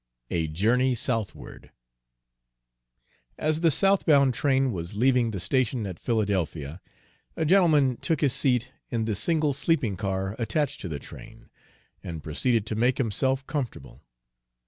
V A JOURNEY SOUTHWARD As the south bound train was leaving the station at Philadelphia, a gentleman took his seat in the single sleeping car attached to the train, and proceeded to make himself comfortable.